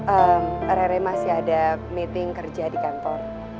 ehm re re masih ada meeting kerja di kantor